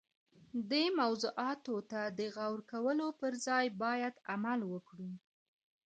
دې موضوعاتو ته د غور کولو پر ځای باید عمل وکړو.